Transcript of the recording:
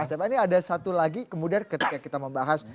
sma ini ada satu lagi kemudian ketika kita membahas